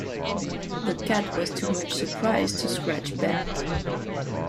The cat was too much surprised to scratch back.